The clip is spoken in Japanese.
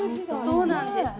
そうなんです。